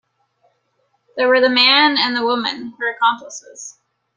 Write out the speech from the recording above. There were the man and the woman, her accomplices.